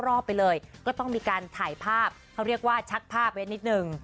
รอบไปเลยก็ต้องมีการถ่ายภาพเขาเรียกว่าชักภาพไว้นิดนึง